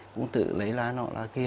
cũng tự lấy lá nọ lá kia